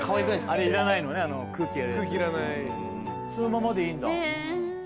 そのままでいいんだ。